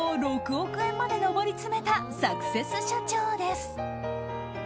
６億円まで上り詰めたサクセス社長です。